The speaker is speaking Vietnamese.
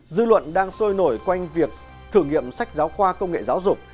dư luận đang sôi nổi quanh việc thử nghiệm sách giáo khoa công nghệ giáo dục